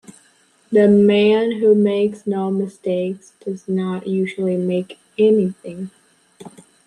The man who makes no mistakes does not usually make anything.